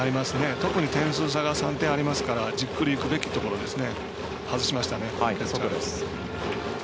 特に点数差が３点ありますからじっくりいくべきところですね。